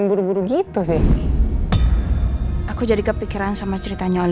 yaudah sekarang istirahat mama temannya